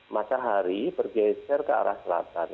matahari bergeser ke arah selatan